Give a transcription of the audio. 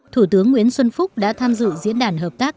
thủ tướng nguyễn xuân phúc đã tham dự diễn đàn hợp tác